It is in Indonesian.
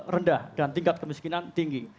rendah dan tingkat kemiskinan tinggi